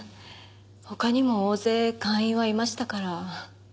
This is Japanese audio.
他にも大勢会員はいましたから。